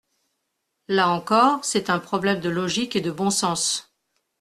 Là encore, c’est un problème de logique et de bon sens.